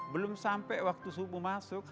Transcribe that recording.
belum sampai waktu subuh masuk